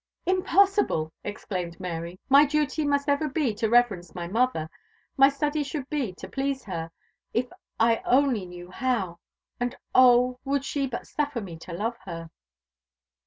"Impossible!" exclaimed Mary; "my duty must ever be to reverence my mother. My study should be to please her, if I only knew how; and oh! would she but suffer me to love her!"